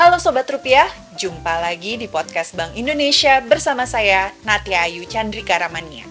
halo sobat rupiah jumpa lagi di podcast bank indonesia bersama saya natia ayu chandrika ramania